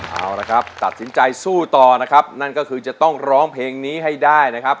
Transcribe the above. เอาละครับตัดสินใจสู้ต่อนะครับนั่นก็คือจะต้องร้องเพลงนี้ให้ได้นะครับ